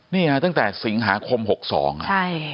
นี่ฮะตั้งแต่สิงหาคม๖๒อ่ะใช่